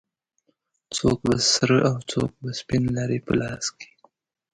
څوک به سره او څوک به سپین لري په لاس کې